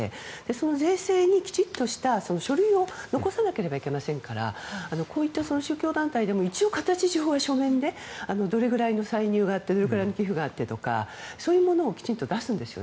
その税制にきちっとした書類を残さなければいけませんからこういった宗教団体でも一応、形上は書面でどれぐらいの歳入があってどれぐらいの寄付があってとかそういうものをきちんと出すんです。